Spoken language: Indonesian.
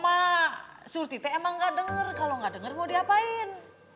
ma surti teh emang gak denger kalau gak denger mau diapain